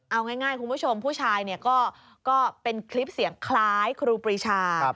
เอาง่ายคุณผู้ชมผู้ชายก็เป็นคลิปเสียงคล้ายครูปรีชา